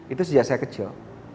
itu sejak saya kecil